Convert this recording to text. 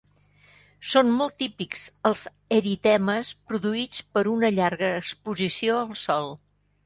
Són molt típics els eritemes produïts per una llarga exposició al sol.